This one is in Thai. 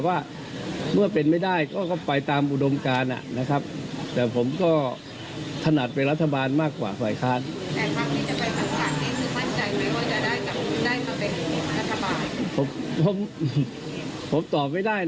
แบบนี้หมายความว่าอย่างไร